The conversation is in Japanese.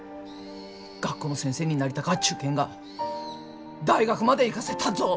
学校の先生になりたかっち言うけんが大学まで行かせたっぞ。